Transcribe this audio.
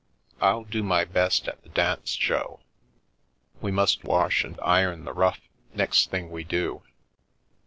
111 do my best at the dance, Jo. We must wash and ir6n the ruff next thing we do.